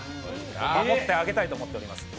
守ってあげたいと思っております。